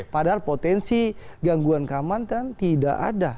padahal potensi gangguan keamanan tidak ada